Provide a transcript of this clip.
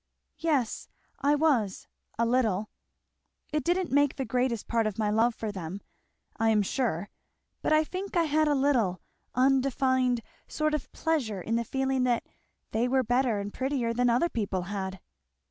"Yes I was, a little. It didn't make the greatest part of my love for them, I am sure; but I think I had a little, undefined, sort of pleasure in the feeling that they were better and prettier than other people had."